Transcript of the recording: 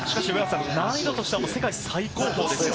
難易度としては世界最高峰ですよね。